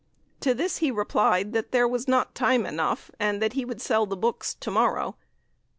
To this he replied that there was not time enough, and that he would sell the books to morrow!